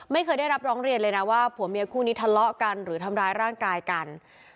ไม่เคยได้รับร้องเรียนเลยนะว่าผัวเมียคู่นี้ทะเลาะกันหรือทำร้ายร่างกายกัน